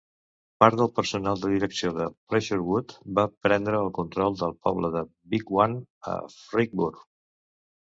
Part del personal de direcció de Pleasurewood va prendre el control del poble de Bygone a Fleggburgh.